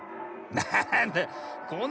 なんだ。